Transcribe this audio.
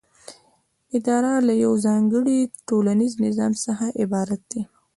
اداره له یوه ځانګړي ټولنیز نظام څخه عبارت ده.